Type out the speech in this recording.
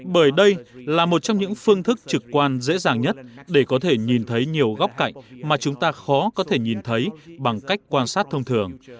bởi đây là một trong những phương thức trực quan dễ dàng nhất để có thể nhìn thấy nhiều góc cạnh mà chúng ta khó có thể nhìn thấy bằng cách quan sát thông thường